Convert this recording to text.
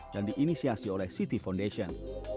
yang diinisiasi oleh siti foundation